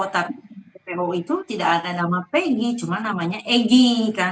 tapi dpo itu tidak ada nama pg cuma namanya egy kan